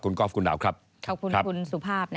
ขอบคุณคุณสุภาพ